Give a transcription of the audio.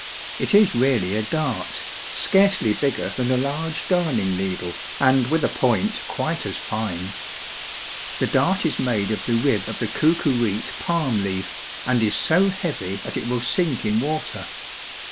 It is really a dart, scarcely bigger than a large darning needle, and with a point quite as fine. The dart is made of the rib of the coocooreete palm leaf, and is so heavy that it will sink in water.